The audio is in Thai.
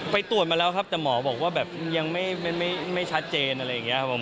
ไปตรวจมาแล้วครับแต่หมอบอกว่าแบบยังไม่ชัดเจนอะไรอย่างนี้ครับผม